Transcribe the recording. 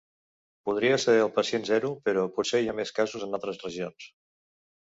Podria ser el pacient zero, però potser hi ha més casos en altres regions.